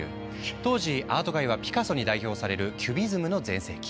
当時アート界はピカソに代表されるキュビズムの全盛期。